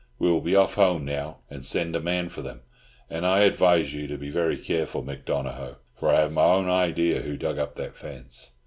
"We will be off home now, and send a man for them. And I advise you to be very careful, Mick Donohoe, for I have my own idea who dug up that fence."